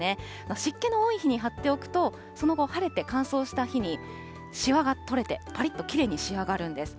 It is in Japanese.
湿気の多い日に張っておくと、その後、晴れて乾燥した日にしわが取れて、ぱりっときれいに仕上がるんです。